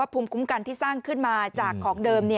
๑ภูมิคุ้มกันที่สร้างมาของเดิม